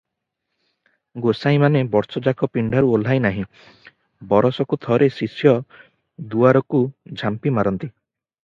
ଗୋସାଇଁ ମାନେ ବର୍ଷ ଯାକ ପିଣ୍ତାରୁ ଓହ୍ଲାଇ ନାହିଁ, ବରଷକୁ ଥରେ ଶିଷ୍ୟ ଦୁଆରକୁ ଝାମ୍ପିମାରନ୍ତି ।